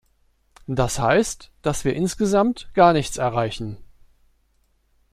Das heißt, dass wir insgesamt gar nichts erreichen!